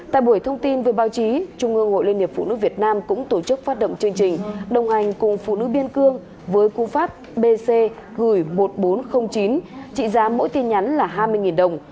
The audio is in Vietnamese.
tại buổi thông tin với báo chí trung ương hội liên hiệp phụ nữ việt nam cũng tổ chức phát động chương trình đồng hành cùng phụ nữ biên cương với cú pháp bc gửi một nghìn bốn trăm linh chín trị giá mỗi tin nhắn là hai mươi đồng